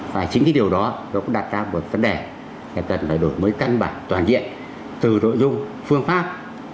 và chính cái điều đó nó cũng đặt ra một vấn đề là cần phải đổi mới căn bản toàn diện từ nội dung phương pháp